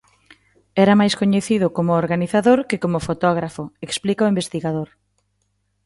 Era máis coñecido como organizador que como fotógrafo, explica o investigador.